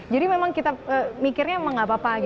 jadi memang kita mikirnya nggak apa apa gitu ya